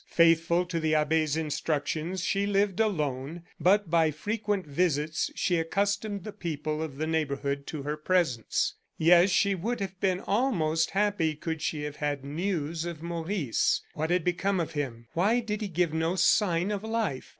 Faithful to the abbe's instructions, she lived alone; but, by frequent visits, she accustomed the people of the neighborhood to her presence. Yes, she would have been almost happy, could she have had news of Maurice. What had become of him? Why did he give no sign of life?